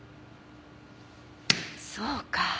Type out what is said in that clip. そうか。